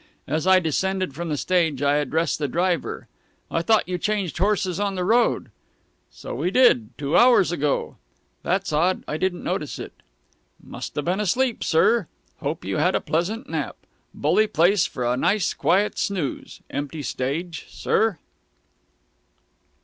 As I descended from the stage I addressed the driver: "I thought you changed horses on the road?" "So we did. Two hours ago." "That's odd. I didn't notice it." "Must have been asleep, sir. Hope you had a pleasant nap. Bully place for a nice quiet snooze empty stage, sir!"